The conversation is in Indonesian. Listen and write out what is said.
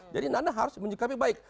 jadi nana harus disikapinya baik